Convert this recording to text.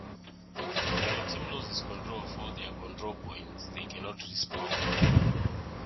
When a team loses control of all their control points, they cannot respawn.